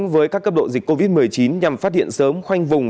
với các cấp độ dịch covid một mươi chín nhằm phát hiện sớm khoanh vùng